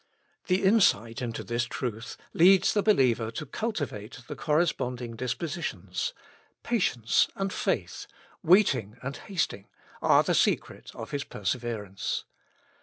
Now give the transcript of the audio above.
The insight into this truth leads the believer to cultivate the corresponding dispositions : patience and faith^ waiting and hasting, are the secret of his perse verance.